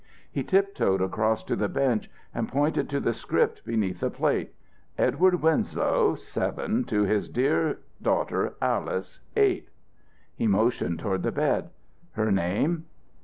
He tiptoed across to the bench and pointed to the script beneath the plate. "Edward Winslow (7) to his dear daughter, Alice (8)." He motioned toward the bed. "Her name?"